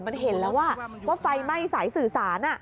มันเห็นแล้วว่าไฟไหม้สายสื่อสาร